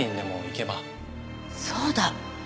そうだ。